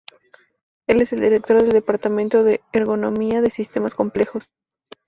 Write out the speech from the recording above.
Él es director del Departamento de Ergonomía de Sistemas Complejos.